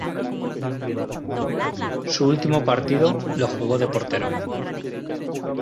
Su último partido lo jugó de portero.